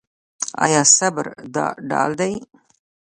آیا صبر ډال دی؟